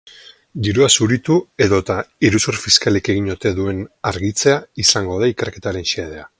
Dirua zuritu edota iruzur fiskalik egin oten duen argitzea izango da ikerketaren xedea.